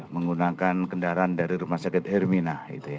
menggunakan kendaraan dari rumah sakit hermina